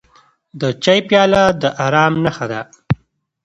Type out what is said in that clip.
د چای پیاله د ارام نښه ده.